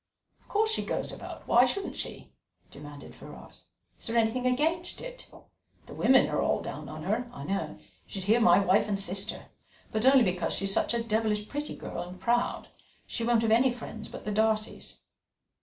"Of course she goes about; why shouldn't she?" demanded Ferrars. "Is there anything against it? The women are all down on her, I know you should hear my wife and sister but only because she's such a devilish pretty girl and proud; she won't have any friends but the Darcys."